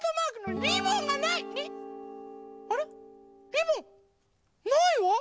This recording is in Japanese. リボン？ないわ！